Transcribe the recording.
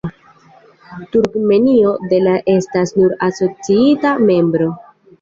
Turkmenio de la estas nur asociita membro.